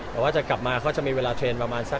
แต่ว่าจะกลับมาก็จะมีเวลาเทรนด์ประมาณสัก